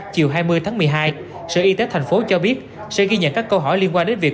chiều hai mươi tháng một mươi hai sở y tế tp hcm cho biết sẽ ghi nhận các câu hỏi liên quan đến việc